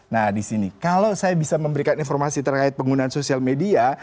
nah di sini kalau saya bisa memberikan informasi terkait penggunaan sosial media